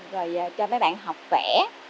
rồi cho mấy bạn học vẽ